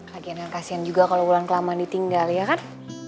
lagian kan kasian juga kalau wulan kelamaan ditinggal ya kan